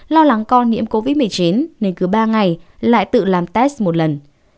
lo lắng con nhiễm covid một mươi chín nên cứ ba ngày lại tự làm test một lần